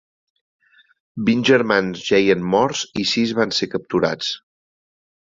Vint germans jeien morts i sis van ser capturats.